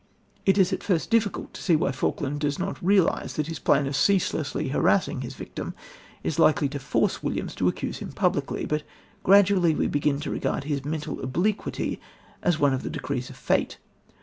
It is at first difficult to see why Falkland does not realise that his plan of ceaselessly harassing his victim is likely to force Williams to accuse him publicly, but gradually we begin to regard his mental obliquity as one of the decrees of fate.